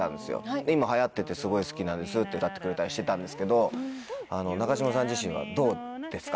今流行っててすごい好きなんですって歌ってくれたりしたんですけど中島さん自身はどうですか？